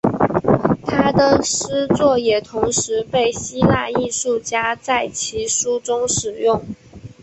他的诗作也同时被希腊艺术家在其书中使用。